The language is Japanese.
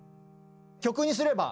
曲にすれば。